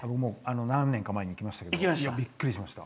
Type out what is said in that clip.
何年か前に行きましたけどびっくりしました。